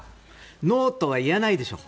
ノーとは言えないでしょう。